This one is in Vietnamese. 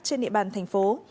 trên địa bàn thành phố